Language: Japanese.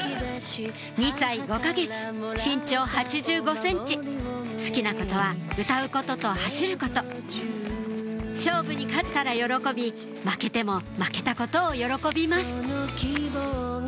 ２歳５か月身長８５ｃｍ好きなことは歌うことと走ること勝負に勝ったら喜び負けても負けたことを喜びます